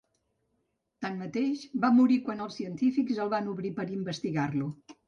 Tanmateix, va morir quan els científics el van obrir per investigar-lo.